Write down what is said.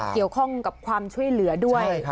เกี่ยวข้องกับความช่วยเหลือด้วย